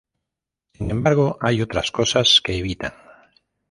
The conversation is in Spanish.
Sin embargo, hay otras cosas que evitan.